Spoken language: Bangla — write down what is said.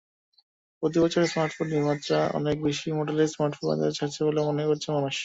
প্রতিবছর স্মার্টফোন নির্মাতারা অনেক বেশি মডেলের স্মার্টফোন বাজারে ছাড়ছে বলে মনে করছে মানুষ।